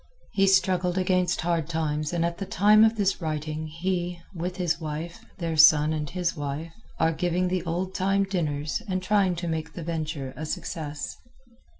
He struggled against hard times and at the time of this writing he, with his wife, their son and his wife, are giving the old time dinners and trying to make the venture a success.